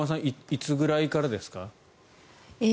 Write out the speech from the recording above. いつぐらいからですか。